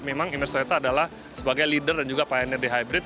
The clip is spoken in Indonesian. memang iims toyota adalah sebagai leader dan juga pioneer di hybrid